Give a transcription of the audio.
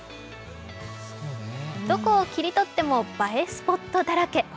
どこを切り取っても映えスポットだらけ。